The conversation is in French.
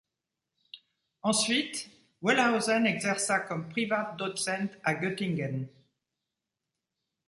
Ensuite Wellhausen exerça comme privat-docent à Göttingen.